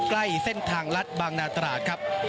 ใกล้เส้นทางลัดบางนาตราดครับ